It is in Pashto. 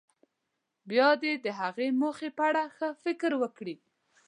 بیا دې د هغې موخې په اړه ښه فکر وکړي.